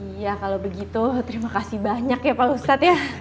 iya kalau begitu terima kasih banyak ya pak ustadz ya